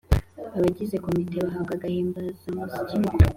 Abagize komite bahabwa agahimbazamusyi nkuko